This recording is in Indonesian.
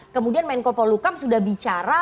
kemudian menko polukam sudah bicara